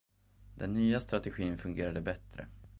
Den nya strategin fungerade bättre.